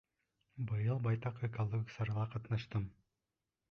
— Быйыл байтаҡ экологик сарала ҡатнаштым.